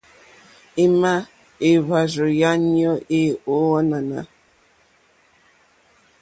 Ima èhvàrzù ya nyoò e ò ànànà?